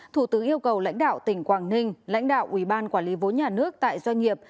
thủ tướng yêu cầu lãnh đạo tỉnh quảng ninh lãnh đạo ủy ban quản lý vốn nhà nước tại doanh nghiệp